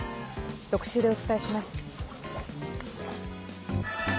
特集でお伝えします。